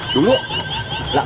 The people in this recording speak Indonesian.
celebritas odi bingung